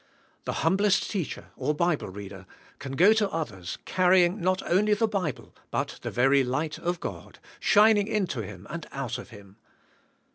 The humblest teacher or Bible reader can g o to others, carrying not only the Bible, but the very light of God, shining into him and out of him.